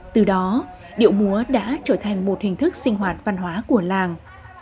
từ đó điệu múa đã trở thành một hình thức sinh hoạt văn hóa của làng